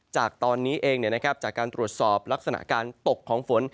จากตอนนี้เองจากการตรวจสอบลักษณะการตกของฝน